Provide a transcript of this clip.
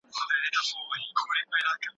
دښت به دې له سره غاټول غر له ارغوانه ډک